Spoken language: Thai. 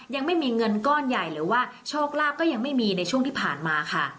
ยังไม่มีเงินก้อนใหญ่หรือว่าโชคลาภก็ยังไม่มีในช่วงที่ผ่านมาค่ะ